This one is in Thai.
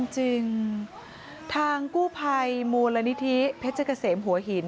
จริงทางกู้ภัยมูลนิธิเพชรเกษมหัวหิน